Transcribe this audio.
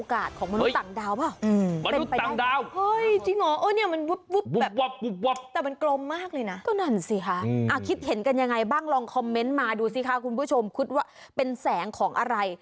ทางเจ้าของคลิปเขาก็ไม่ได้ปักใจเชื่อว่ามันจะเป็นแสงผี